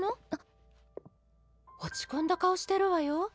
落ち込んだ顔してるわよ。